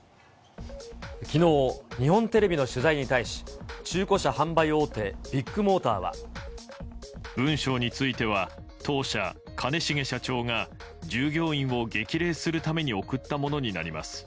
きのう、日本テレビの取材に対し、中古車販売大手、文章については、当社兼重社長が、従業員を激励するために送ったものになります。